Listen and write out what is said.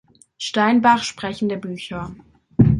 Steinbach sprechende Bücher.